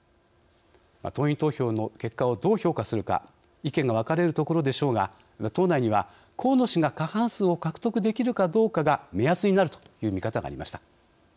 党員投票の結果をどう評価するか意見が分かれるところでしょうが党内には河野氏が過半数を獲得できるかどうかが目安になるという見方がありました。